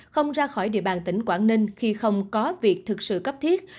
không ra khỏi địa bàn tỉnh quảng ninh khi không có việc thực sự cấp thiết